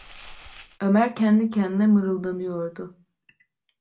Ömer kendi kendine mırıldanıyordu: